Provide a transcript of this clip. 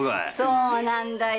そうなんだよ。